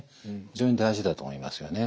非常に大事だと思いますよね